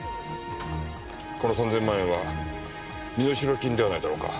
この３千万円は身代金ではないだろうか？